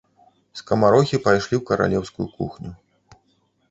Скамарохі пайшлі ў каралеўскую кухню.